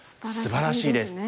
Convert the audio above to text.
すばらしいです。